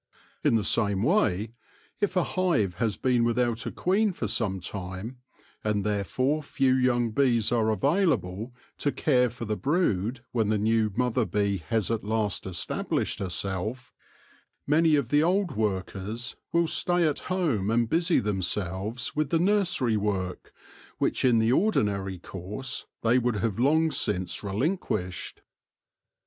In the same way, if a hive has been without a queen for some time, and therefore few young bees are available to care for the brood when the new mother bee has at last established herself, many of the old workers will stay at home and busy themselves with the nursery work, which in the ordinary course they would have long since relinquished.